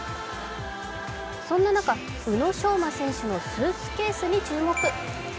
そんな中、宇野昌磨選手のスーツケースに注目。